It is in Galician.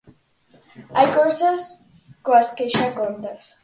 Hai cousas coas que xa contas.